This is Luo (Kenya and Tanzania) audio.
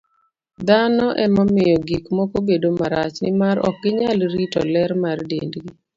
Dhano ema miyo gik moko bedo marach, nimar ok ginyal rito ler mar dendgi.